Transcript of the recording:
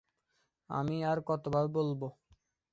আমি আর কতভাবে বলব?